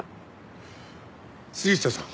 杉下さん